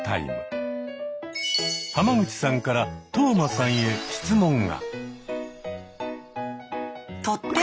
浜口さんから當間さんへ質問が。